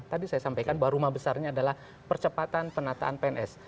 tadi saya sampaikan bahwa rumah besarnya adalah percepatan penataan pns